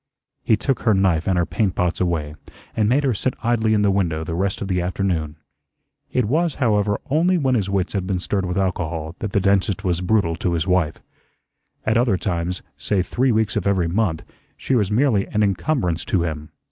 He took her knife and her paint pots away, and made her sit idly in the window the rest of the afternoon. It was, however, only when his wits had been stirred with alcohol that the dentist was brutal to his wife. At other times, say three weeks of every month, she was merely an incumbrance to him.